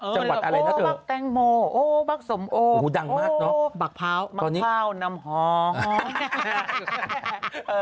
จังหวัดอะไรนะเธอบักแตงโมอ๋อบักสมโออ๋อดังมากเนาะอ๋อบักพร้าวมักพร้าวน้ำหอหอเนี่ย